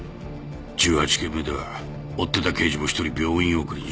１８件目では追ってた刑事も１人病院送りにしてる。